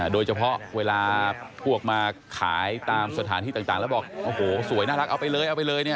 โดยเฉพาะเวลาพวกมาขายตามสถานที่ต่างแล้วบอกแสดงน้ำสวยน่ารักเอาไปเลย